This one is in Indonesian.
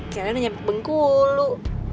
kayanya udah nyampe bengkulu